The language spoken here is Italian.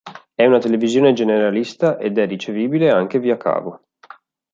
È una televisione generalista ed è ricevibile anche via cavo.